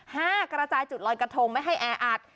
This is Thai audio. กระจายจุดลอยกระทงไม่ให้แออัด